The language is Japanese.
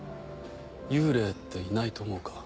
幽霊っていないと思うか？